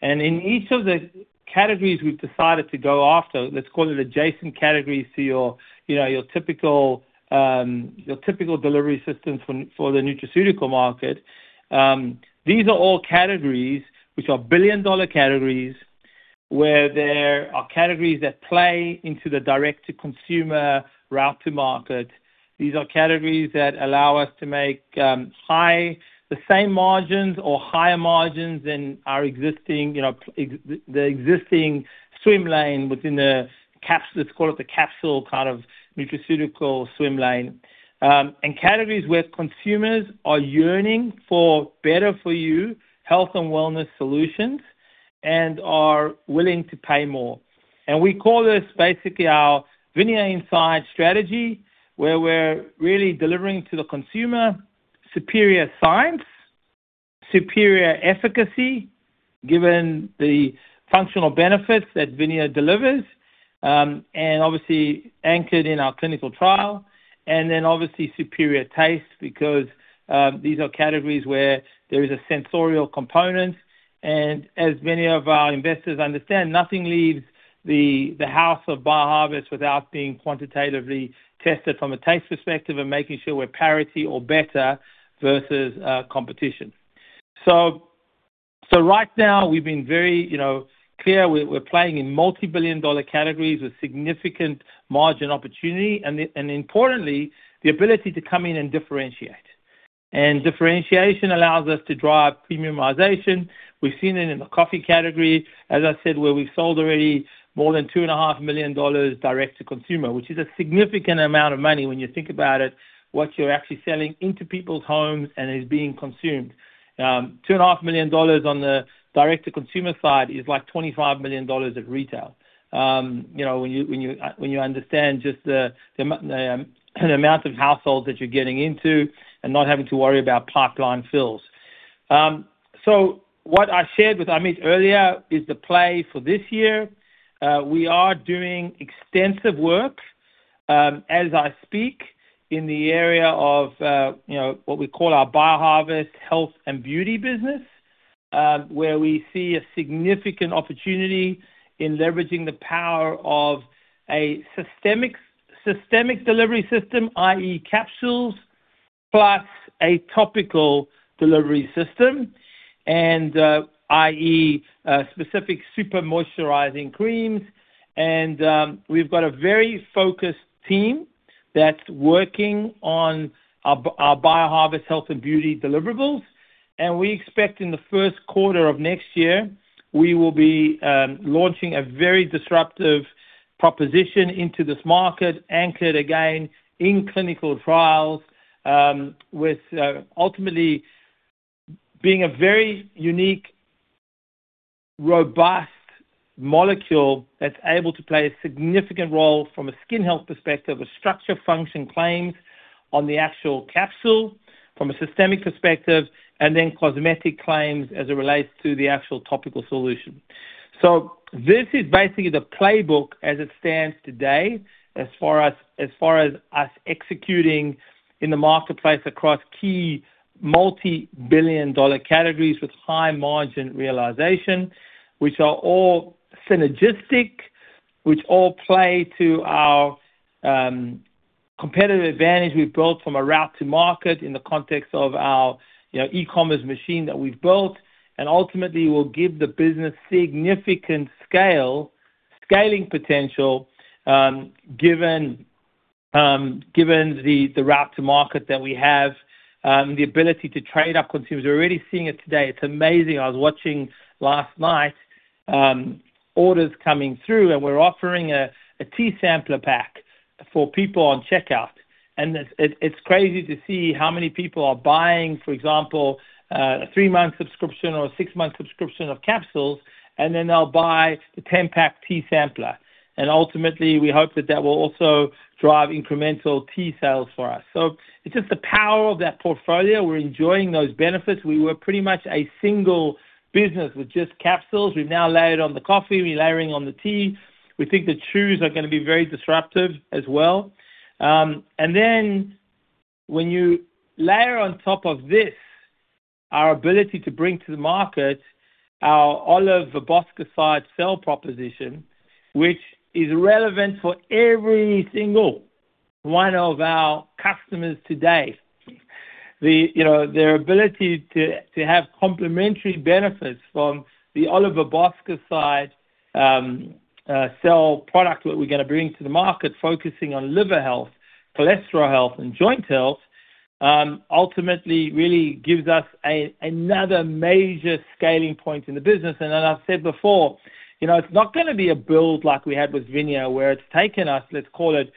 In each of the categories we've decided to go after, let's call it adjacent categories to your typical delivery system for the nutraceutical market, these are all categories which are billion dollar categories where there are categories that play into the direct-to-consumer route to market. These are categories that allow us to make the same margins or higher margins than the existing swim lane within the, let's call it the capsule kind of nutraceutical swim lane. Categories where consumers are yearning for better-for-you health and wellness solutions and are willing to pay more. We call this basically our VINIA Inside strategy, where we're really delivering to the consumer superior science, superior efficacy given the functional benefits that VINIA delivers, and obviously anchored in our clinical trial. Obviously, superior taste because these are categories where there is a sensorial component. As many of our investors understand, nothing leaves the house of BioHarvest without being quantitatively tested from a taste perspective and making sure we're parity or better versus competition. Right now, we've been very clear we're playing in multi-billion dollar categories with significant margin opportunity and, importantly, the ability to come in and differentiate. Differentiation allows us to drive premiumization. We've seen it in the coffee category, as I said, where we've sold already more than $2.5 million direct-to-consumer, which is a significant amount of money when you think about it, what you're actually selling into people's homes and is being consumed. $2.5 million on the direct-to-consumer side is like $25 million at retail when you understand just the amount of households that you're getting into and not having to worry about pipeline fills. What I shared with Amit earlier is the play for this year. We are doing extensive work as I speak in the area of what we call our BioHarvest health and beauty business, where we see a significant opportunity in leveraging the power of a systemic delivery system, i.e., capsules plus a topical delivery system, i.e., specific super moisturizing creams. We have a very focused team that is working on our BioHarvest health and beauty deliverables. We expect in the first quarter of next year, we will be launching a very disruptive proposition into this market anchored again in clinical trials, with ultimately being a very unique, robust molecule that is able to play a significant role from a skin health perspective, a structure function claims on the actual capsule from a systemic perspective, and then cosmetic claims as it relates to the actual topical solution. This is basically the playbook as it stands today as far as us executing in the marketplace across key multi-billion dollar categories with high margin realization, which are all synergistic, which all play to our competitive advantage we have built from a route to market in the context of our e-commerce machine that we have built. Ultimately, we'll give the business significant scale scaling potential given the route to market that we have, the ability to trade our consumers. We're already seeing it today. It's amazing. I was watching last night orders coming through, and we're offering a tea sampler pack for people on checkout. It's crazy to see how many people are buying, for example, a three-month subscription or a six-month subscription of capsules, and then they'll buy the 10-pack tea sampler. Ultimately, we hope that that will also drive incremental tea sales for us. It's just the power of that portfolio. We're enjoying those benefits. We were pretty much a single business with just capsules. We've now layered on the coffee. We're layering on the tea. We think the chews are going to be very disruptive as well. When you layer on top of this our ability to bring to the market our olive-verbascoside sale proposition, which is relevant for every single one of our customers today, their ability to have complementary benefits from the olive-verbascoside sale product that we are going to bring to the market, focusing on liver health, cholesterol health, and joint health, ultimately really gives us another major scaling point in the business. As I have said before, it is not going to be a build like we had with VINIA, where it has taken us, let's call it,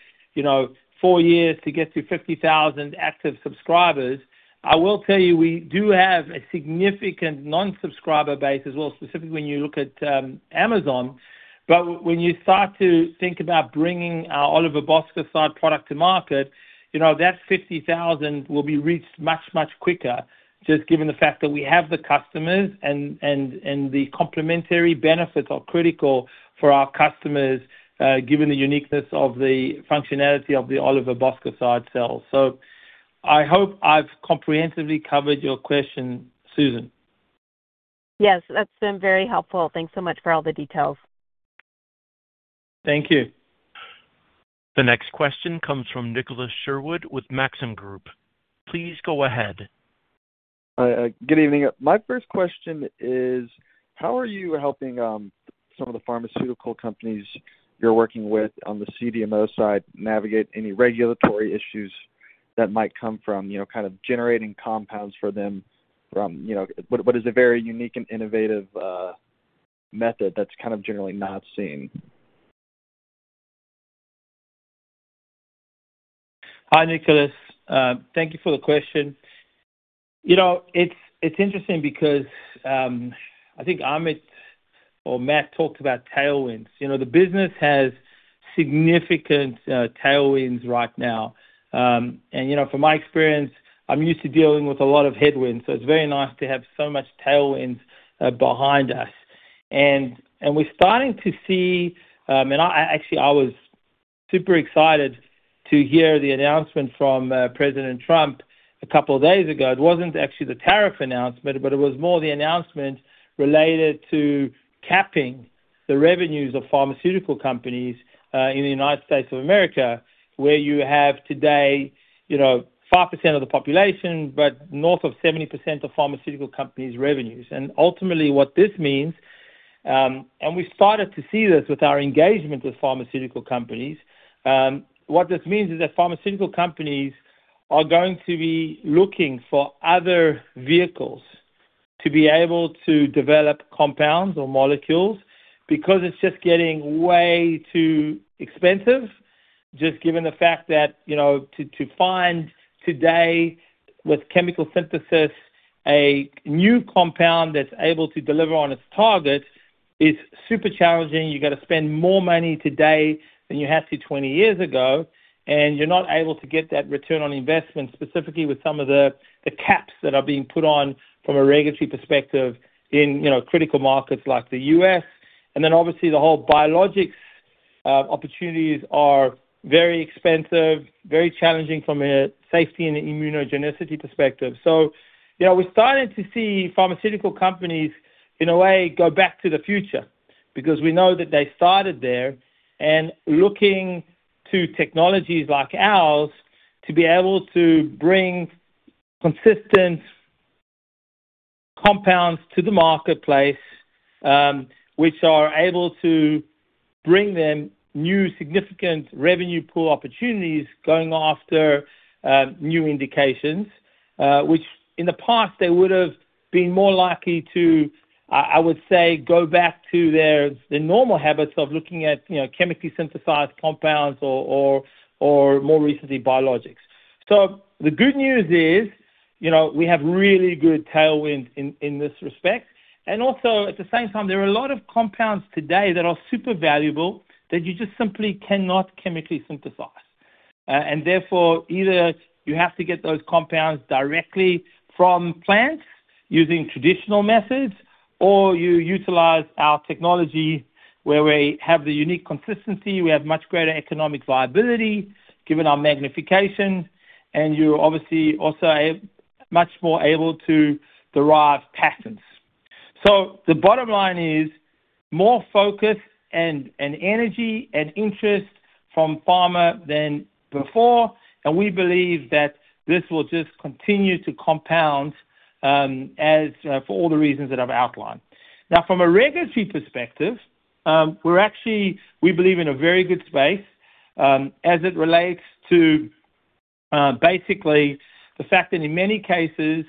four years to get to 50,000 active subscribers. I will tell you, we do have a significant non-subscriber base as well, specifically when you look at Amazon. When you start to think about bringing our olive-verbosca side product to market, that 50,000 will be reached much, much quicker, just given the fact that we have the customers and the complementary benefits are critical for our customers given the uniqueness of the functionality of the olive-verbosca side sales. I hope I've comprehensively covered your question, Susan. Yes, that's been very helpful. Thanks so much for all the details. Thank you. The next question comes from Nicholas Sherwood with Maxim Group. Please go ahead. Good evening. My first question is, how are you helping some of the pharmaceutical companies you're working with on the CDMO side navigate any regulatory issues that might come from kind of generating compounds for them? What is a very unique and innovative method that's kind of generally not seen? Hi, Nicholas. Thank you for the question. It's interesting because I think Amit or Matt talked about tailwinds. The business has significant tailwinds right now. From my experience, I'm used to dealing with a lot of headwinds, so it's very nice to have so much tailwinds behind us. We're starting to see—and actually, I was super excited to hear the announcement from President Trump a couple of days ago. It wasn't actually the tariff announcement, but it was more the announcement related to capping the revenues of pharmaceutical companies in the United States of America, where you have today 5% of the population, but north of 70% of pharmaceutical companies' revenues. Ultimately, what this means—and we started to see this with our engagement with pharmaceutical companies—what this means is that pharmaceutical companies are going to be looking for other vehicles to be able to develop compounds or molecules because it is just getting way too expensive, just given the fact that to find today, with chemical synthesis, a new compound that is able to deliver on its target is super challenging. You have got to spend more money today than you had to 20 years ago, and you are not able to get that return on investment, specifically with some of the caps that are being put on from a regulatory perspective in critical markets like the U.S. Obviously, the whole biologics opportunities are very expensive, very challenging from a safety and immunogenicity perspective. We're starting to see pharmaceutical companies, in a way, go back to the future because we know that they started there and looking to technologies like ours to be able to bring consistent compounds to the marketplace, which are able to bring them new significant revenue pool opportunities going after new indications, which in the past, they would have been more likely to, I would say, go back to their normal habits of looking at chemically synthesized compounds or, more recently, biologics. The good news is we have really good tailwinds in this respect. Also, at the same time, there are a lot of compounds today that are super valuable that you just simply cannot chemically synthesize. Therefore, either you have to get those compounds directly from plants using traditional methods, or you utilize our technology where we have the unique consistency. We have much greater economic viability given our magnification, and you're obviously also much more able to derive patents. The bottom line is more focus and energy and interest from pharma than before, and we believe that this will just continue to compound for all the reasons that I've outlined. Now, from a regulatory perspective, we believe in a very good space as it relates to basically the fact that in many cases,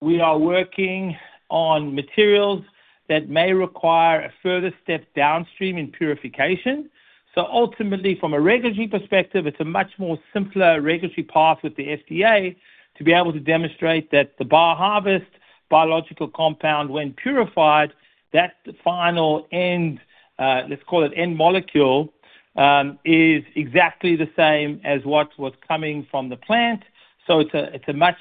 we are working on materials that may require a further step downstream in purification. Ultimately, from a regulatory perspective, it's a much more simpler regulatory path with the FDA to be able to demonstrate that the BioHarvest biological compound, when purified, that final end, let's call it end molecule, is exactly the same as what was coming from the plant. It is a much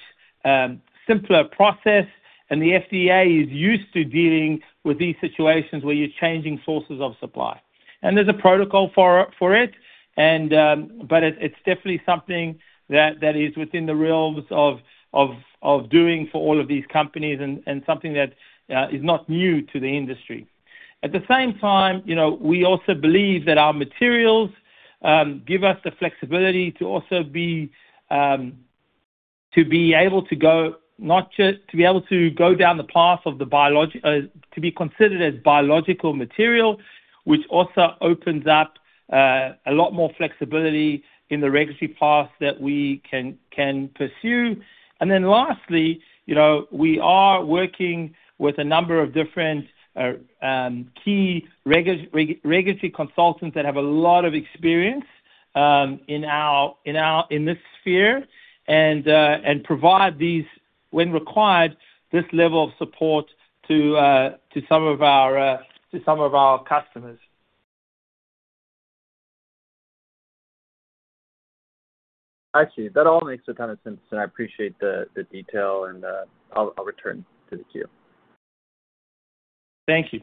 simpler process, and the FDA is used to dealing with these situations where you are changing sources of supply. There is a protocol for it, but it is definitely something that is within the realms of doing for all of these companies and something that is not new to the industry. At the same time, we also believe that our materials give us the flexibility to also be able to go not just to be able to go down the path of the biologic to be considered as biological material, which also opens up a lot more flexibility in the regulatory path that we can pursue. Lastly, we are working with a number of different key regulatory consultants that have a lot of experience in this sphere and provide, when required, this level of support to some of our customers. I see. That all makes a ton of sense, and I appreciate the detail, and I'll return to the queue. Thank you.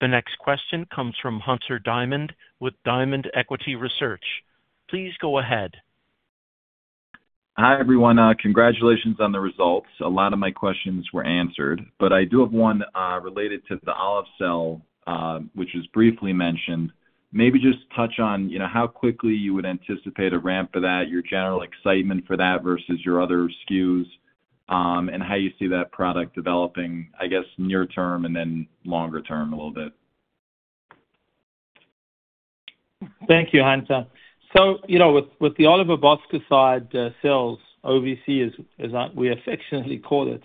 The next question comes from Hunter Diamond with Diamond Equity Research. Please go ahead. Hi, everyone. Congratulations on the results. A lot of my questions were answered, but I do have one related to the olive cell, which was briefly mentioned. Maybe just touch on how quickly you would anticipate a ramp for that, your general excitement for that versus your other SKUs, and how you see that product developing, I guess, near-term and then longer-term a little bit. Thank you, Hunter. So with the olive verbosca side sales, OVC, as we affectionately call it,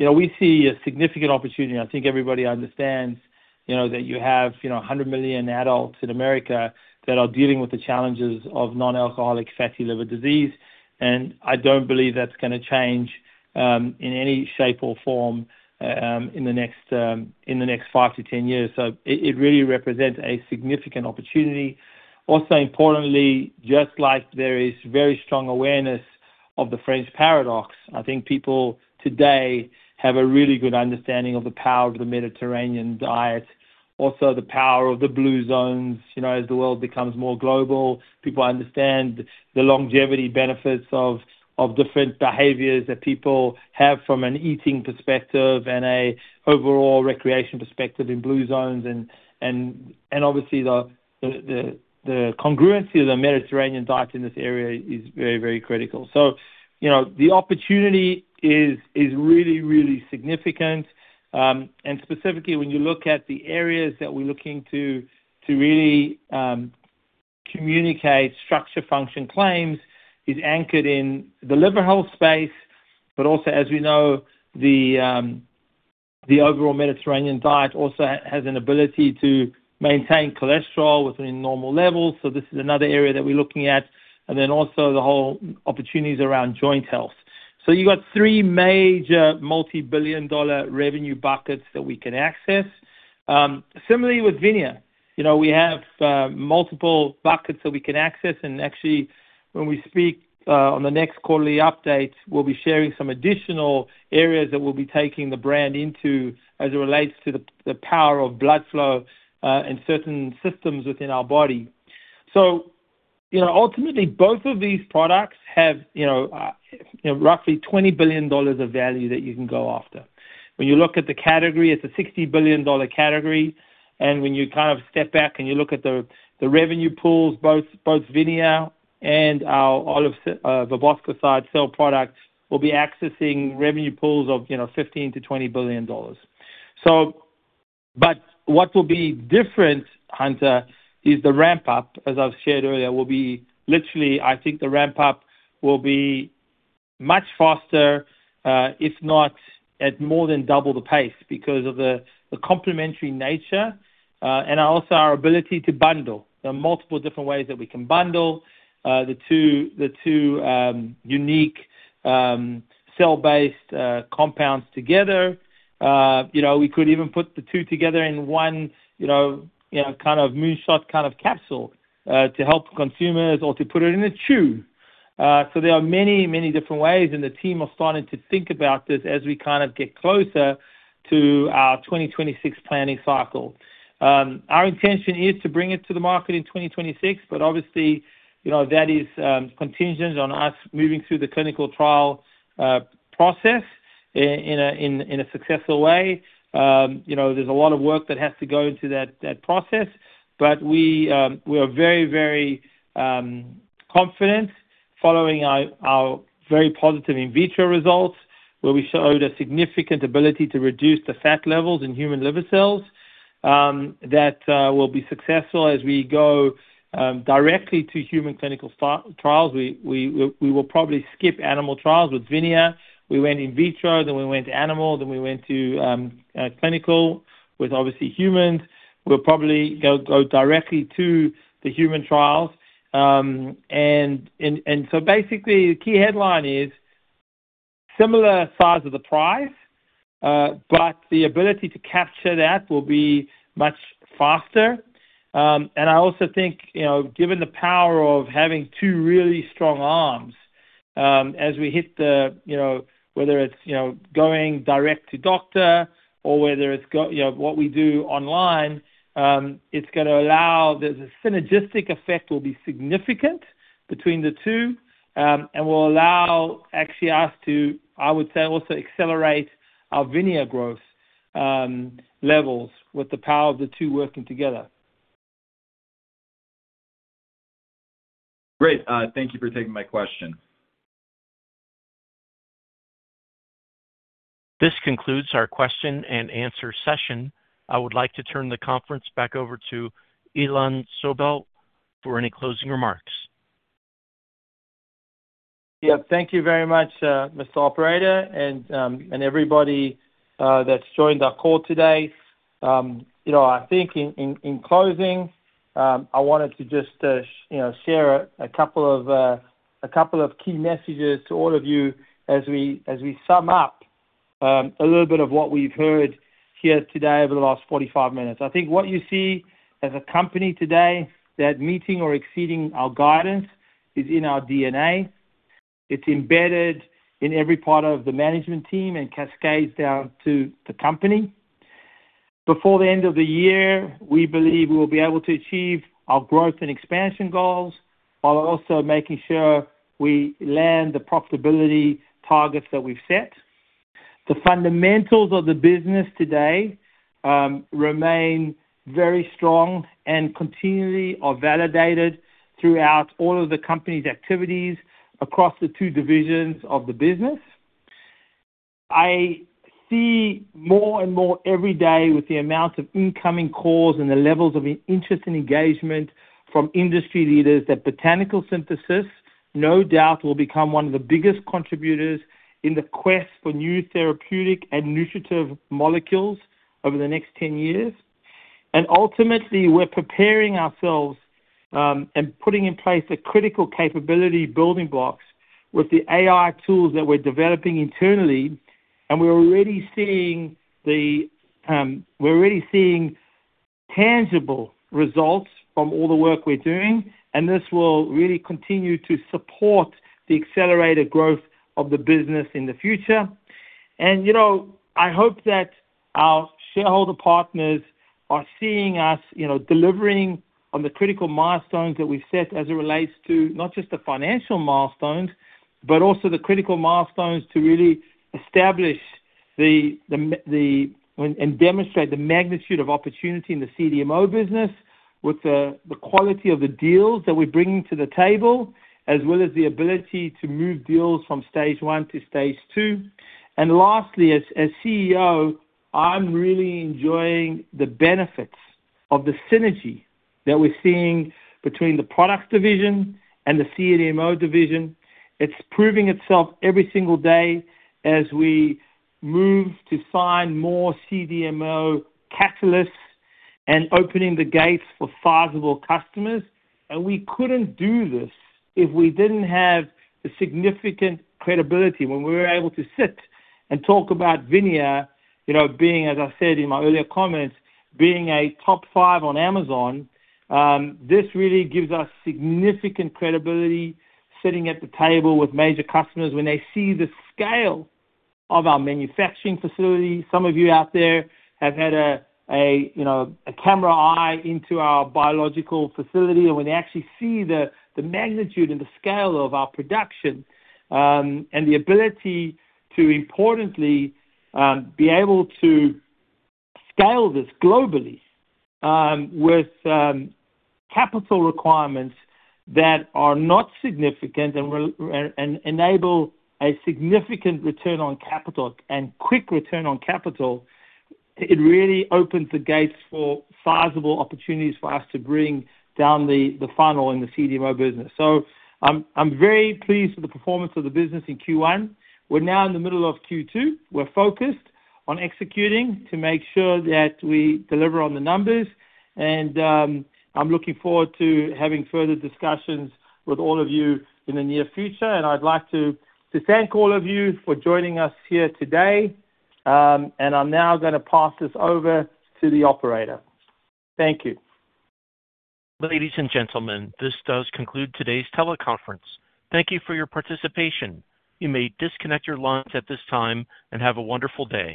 we see a significant opportunity. I think everybody understands that you have 100 million adults in America that are dealing with the challenges of non-alcoholic fatty liver disease, and I do not believe that is going to change in any shape or form in the next 5-10 years. It really represents a significant opportunity. Also, importantly, just like there is very strong awareness of the French paradox, I think people today have a really good understanding of the power of the Mediterranean diet, also the power of the blue zones. As the world becomes more global, people understand the longevity benefits of different behaviors that people have from an eating perspective and an overall recreation perspective in blue zones. Obviously, the congruency of the Mediterranean diet in this area is very, very critical. The opportunity is really, really significant. Specifically, when you look at the areas that we're looking to really communicate structure function claims, it is anchored in the liver health space, but also, as we know, the overall Mediterranean diet also has an ability to maintain cholesterol within normal levels. This is another area that we're looking at, and then also the whole opportunities around joint health. You've got three major multi-billion dollar revenue buckets that we can access. Similarly, with VINIA, we have multiple buckets that we can access. Actually, when we speak on the next quarterly update, we'll be sharing some additional areas that we'll be taking the brand into as it relates to the power of blood flow and certain systems within our body. Ultimately, both of these products have roughly $20 billion of value that you can go after. When you look at the category, it's a $60 billion category. When you kind of step back and you look at the revenue pools, both VINIA and our olive-verbosca side sale product will be accessing revenue pools of $15 billion-$20 billion. What will be different, Hunter, is the ramp-up, as I've shared earlier, will be literally, I think the ramp-up will be much faster, if not at more than double the pace, because of the complementary nature and also our ability to bundle. There are multiple different ways that we can bundle the two unique cell-based compounds together. We could even put the two together in one kind of moonshot kind of capsule to help consumers or to put it in a chew. There are many, many different ways, and the team are starting to think about this as we kind of get closer to our 2026 planning cycle. Our intention is to bring it to the market in 2026, but obviously, that is contingent on us moving through the clinical trial process in a successful way. There is a lot of work that has to go into that process, but we are very, very confident following our very positive in vitro results, where we showed a significant ability to reduce the fat levels in human liver cells that we will be successful as we go directly to human clinical trials. We will probably skip animal trials with VINIA. We went in vitro, then we went animal, then we went to clinical with obviously humans. We will probably go directly to the human trials. Basically, the key headline is similar size of the price, but the ability to capture that will be much faster. I also think, given the power of having two really strong arms, as we hit the whether it's going direct to doctor or whether it's what we do online, it's going to allow there's a synergistic effect will be significant between the two and will allow actually us to, I would say, also accelerate our VINIA growth levels with the power of the two working together. Great. Thank you for taking my question. This concludes our question-and-answer session. I would like to turn the conference back over to Ilan Sobel for any closing remarks. Yeah. Thank you very much, Mr. Operator, and everybody that's joined our call today. I think in closing, I wanted to just share a couple of key messages to all of you as we sum up a little bit of what we've heard here today over the last 45 minutes. I think what you see as a company today that meeting or exceeding our guidance is in our DNA. It's embedded in every part of the management team and cascades down to the company. Before the end of the year, we believe we will be able to achieve our growth and expansion goals while also making sure we land the profitability targets that we've set. The fundamentals of the business today remain very strong and continually are validated throughout all of the company's activities across the two divisions of the business. I see more and more every day with the amount of incoming calls and the levels of interest and engagement from industry leaders that botanical synthesis, no doubt, will become one of the biggest contributors in the quest for new therapeutic and nutritive molecules over the next 10 years. Ultimately, we're preparing ourselves and putting in place critical capability building blocks with the AI tools that we're developing internally, and we're already seeing tangible results from all the work we're doing, and this will really continue to support the accelerated growth of the business in the future. I hope that our shareholder partners are seeing us delivering on the critical milestones that we have set as it relates to not just the financial milestones, but also the critical milestones to really establish and demonstrate the magnitude of opportunity in the CDMO business with the quality of the deals that we are bringing to the table, as well as the ability to move deals from stage one to stage two. Lastly, as CEO, I am really enjoying the benefits of the synergy that we are seeing between the product division and the CDMO division. It is proving itself every single day as we move to find more CDMO catalysts and opening the gates for sizable customers. We could not do this if we did not have the significant credibility. When we were able to sit and talk about VINIA, being, as I said in my earlier comments, being a top five on Amazon, this really gives us significant credibility sitting at the table with major customers when they see the scale of our manufacturing facility. Some of you out there have had a camera eye into our biological facility, and when they actually see the magnitude and the scale of our production and the ability to importantly be able to scale this globally with capital requirements that are not significant and enable a significant return on capital and quick return on capital, it really opens the gates for sizable opportunities for us to bring down the funnel in the CDMO business. I am very pleased with the performance of the business in Q1. We are now in the middle of Q2. We're focused on executing to make sure that we deliver on the numbers, and I'm looking forward to having further discussions with all of you in the near future. I'd like to thank all of you for joining us here today, and I'm now going to pass this over to the operator. Thank you. Ladies and gentlemen, this does conclude today's teleconference. Thank you for your participation. You may disconnect your lines at this time and have a wonderful day.